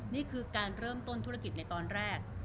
นี่คือการเริ่มต้นธุรกิจในตอนแรก